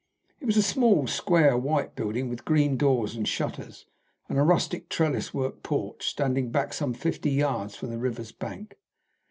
It was a small, square, white building, with green doors and shutters, and a rustic trellis work porch, standing back some fifty yards from the river's bank.